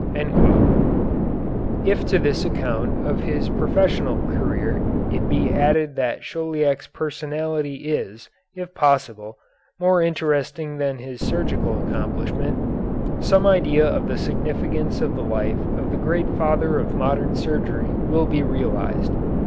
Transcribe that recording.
" If to this account of his professional career it be added that Chauliac's personality is, if possible, more interesting than his surgical accomplishment, some idea of the significance of the life of the great father of modern surgery will be realized.